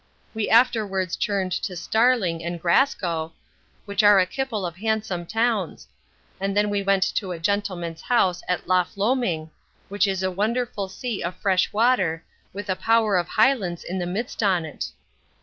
We afterwards churned to Starling and Grascow, which are a kiple of handsome towns; and then we went to a gentleman's house at Loff Loming, which is a wonderful sea of fresh water, with a power of hylands in the midst on't.